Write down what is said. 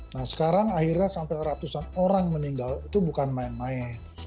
nah sekarang akhirnya sampai ratusan orang meninggal itu bukan main main